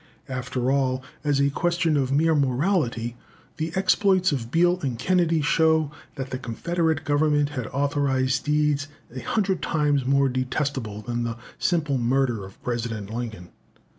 After all, as a question of mere morality, the exploits of Beal and Kennedy show that the Confederate Government had authorised deeds a hundred times more detestable than the simple murder of President Lincoln.